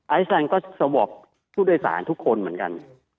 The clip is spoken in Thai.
ไอศแลนด์ก็สวบผู้โดยสารทุกคนเหมือนกัน